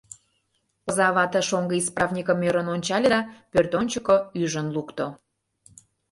Оза вате шоҥго исправникым ӧрын ончале да пӧртӧнчыкӧ ӱжын лукто.